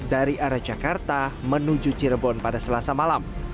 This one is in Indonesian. dari arah jakarta menuju cirebon pada selasa malam